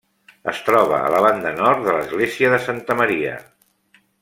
Es troba a la banda nord de l'església de Santa Maria.